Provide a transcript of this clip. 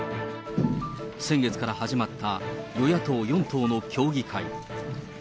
先月から始まった、与野党４党の協議会。